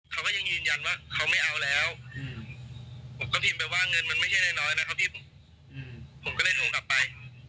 เขาก็ยังยืนยันว่าเขาไม่เอาแล้วผมก็พิมพ์ไปว่าเงินมันไม่ใช่น้อยนะครับพี่ผมก็เลยโทรกลับไป